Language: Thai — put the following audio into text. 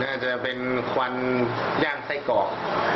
อาจจะเป็นควันย่างไส้กรอก